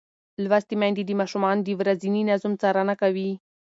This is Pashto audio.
لوستې میندې د ماشومانو د ورځني نظم څارنه کوي.